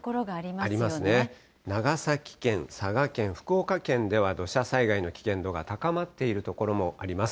長崎県、佐賀県、福岡県では土砂災害の危険度が高まっている所もあります。